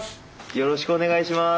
よろしくお願いします。